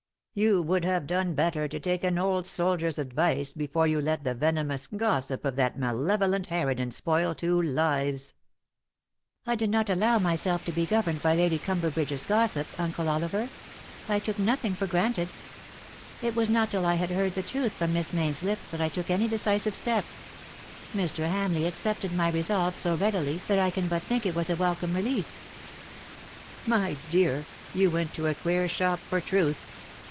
You would have done better to take an old soldier's advice before you let the venomous gossip of that malevolent harridan spoil two lives.'' *' I did not allow myself to be governed by Lady Cumberbridge's gossip. Uncle Oliver. I took nothing for granted. It was not till I had heard the truth from Miss Mayne's lips that I took any decisive step. Mr. Hamleigh accepted my resolve so readily that I can but think it was a welcome release." " My dear, you went to a queer shop for truth.